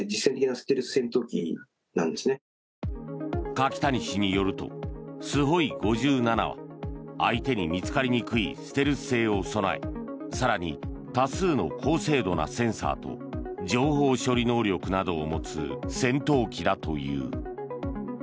柿谷氏によるとスホイ５７は相手に見つかりにくいステルス性を備え更に、多数の高精度なセンサーと情報処理能力などを持つ戦闘機だという。